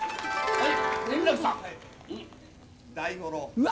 ・はい！